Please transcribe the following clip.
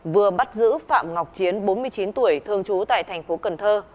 vừa bắt giữ phạm ngọc chiến bốn mươi chín tuổi thương chú tại thành phố cần thơ